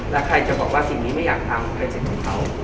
และใครจะบอกว่าสิ่งนี้ไม่อยากทำก็เป็นสิ่งของเขา